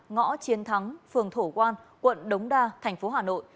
ngõ chiến thắng phường thổ quan quận đống đa thành phố hà nội